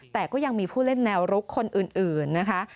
แต่ก็ยังมีผู้เล่นแนวรุกคนอื่นนะคะ